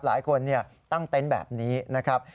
หลายคนตั้งเต็นต์แบบนี้นะครับ